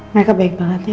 mereka baik banget ya